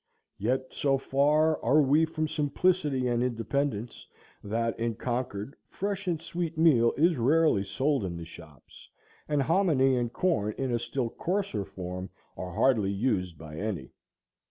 Yet so far are we from simplicity and independence that, in Concord, fresh and sweet meal is rarely sold in the shops, and hominy and corn in a still coarser form are hardly used by any.